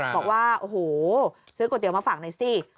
บอกว่าโอ้โหซื้อก๋วยเตี๋ยมาฝากหน่อยสิ